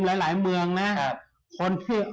แตก็ประเด็ดคือประทาน